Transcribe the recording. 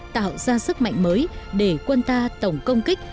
tạo ra sức mạnh mới để quân ta tổng công kích